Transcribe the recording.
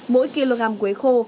mỗi kg quế khô